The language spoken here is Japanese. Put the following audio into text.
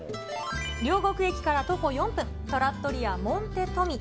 両国駅から徒歩４分、トラットリアモンテトミ。